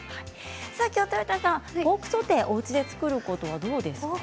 豊田さん、ポークソテーおうちで作ることはどうですか？